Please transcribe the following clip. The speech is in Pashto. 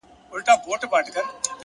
بغير له مینی می بل کر نه لګي